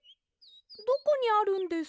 どこにあるんですか？